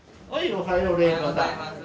おはようございます。